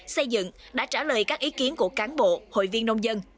xây dựng đã trả lời các ý kiến của cán bộ hội viên nông dân